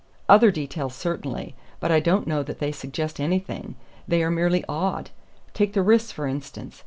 "Other details, certainly; but I don't know that they suggest anything. They are merely odd. Take the wrists, for instance.